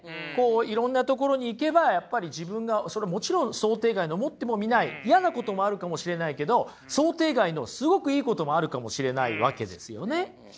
いろんな所に行けばやっぱり自分がそれもちろん想定外に思ってもみない嫌なこともあるかもしれないけど想定外のすごくいいこともあるかもしれないわけですよね。